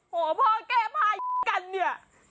โหพ่อแก้ภาพอี๋กันเนี่ย